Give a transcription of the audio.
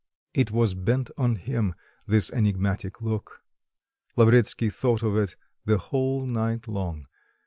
It was bent on him, this enigmatic look. Lavretsky thought of it the whole night long.